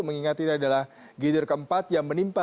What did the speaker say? mengingat ini adalah gitar keempat yang menimpa